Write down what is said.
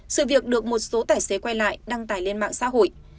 sự việc được một số tài xế quay lại đăng tải lên mạng xã hội